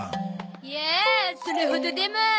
いやあそれほどでも。